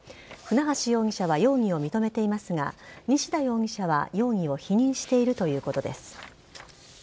船橋容疑者は容疑を認めていますが西田容疑者は容疑を否認しているということです。